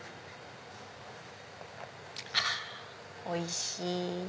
あおいしい。